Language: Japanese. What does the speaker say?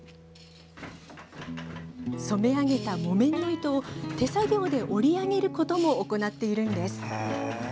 染め上げた木綿の糸を手作業で織り上げることも行っているんです。